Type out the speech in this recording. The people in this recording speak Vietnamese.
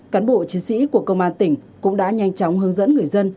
cán bộ chiến sĩ của công an tỉnh cũng đã nhanh chóng hướng dẫn người dân